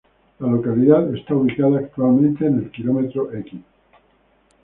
La localidad está ubicada actualmente en el km.